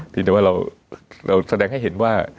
แต่ว่าเราแสดงให้เห็นว่า